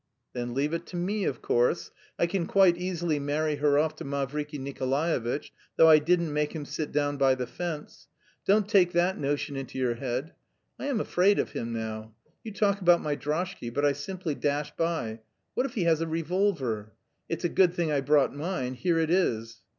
'" "Then, leave it to me, of course. I can quite easily marry her off to Mavriky Nikolaevitch, though I didn't make him sit down by the fence. Don't take that notion into your head. I am afraid of him, now. You talk about my droshky, but I simply dashed by.... What if he has a revolver? It's a good thing I brought mine. Here it is."